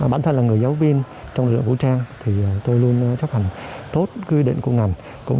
bản thân là người giáo viên trong đội đội vũ trang thì tôi luôn chấp hành tốt quy định của ngành cũng